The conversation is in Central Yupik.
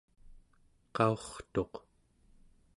qaurtuq